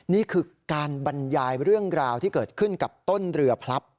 นี่คือการบรรยายเรื่องราวที่เกิดขึ้นกับต้นเรือพลับ